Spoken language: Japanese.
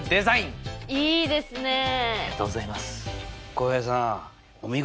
浩平さんお見事！